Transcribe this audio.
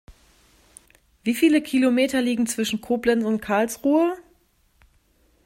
Wie viele Kilometer liegen zwischen Koblenz und Karlsruhe?